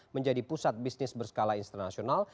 menjadi pusat bisnis berskala internasional